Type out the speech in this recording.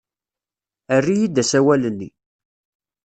Err-iyi-d asawal-nni.